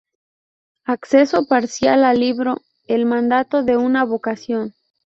Acceso parcial al libro El mandato de una vocación.